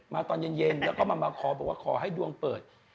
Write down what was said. ตอนเย็นแล้วก็มาขอบอกว่าขอให้ดวงเปิด